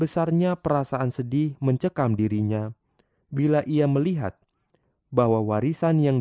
sampai jumpa di video selanjutnya